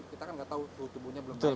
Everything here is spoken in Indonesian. kita kan nggak tahu suhu tubuhnya belum baik